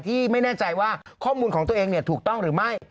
ที่ไม่แน่ใจว่าข้อมูลของตัวเองถูกต้องหรือไม่